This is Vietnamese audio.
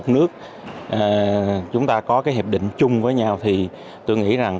một mươi một nước chúng ta có hiệp định chung với nhau thì tôi nghĩ rằng